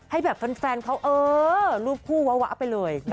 ให้แฟนเขารูปคู่วะไปเลย